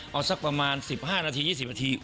เอาสักประมาณ๑๕นาที๒๐นาที